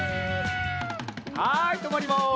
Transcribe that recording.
はいとまります。